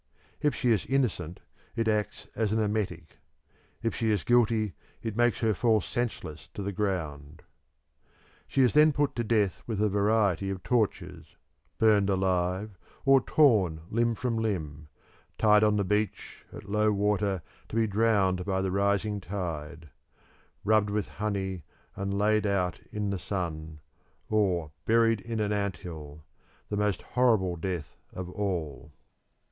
If she is innocent it acts as an emetic; if she is guilty it makes her fall senseless to the ground. She is then put to death with a variety of tortures burnt alive or torn limb from limb; tied on the beach at low water to be drowned by the rising tide; rubbed with honey and laid out in the sun; or buried in an ant hill, the most horrible death of all.